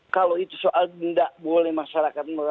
kalau itu soal tidak boleh masyarakat